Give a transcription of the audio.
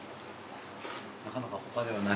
なかなか他ではないと。